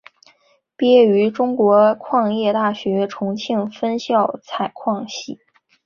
毕业于中国矿业大学重庆分校采矿系。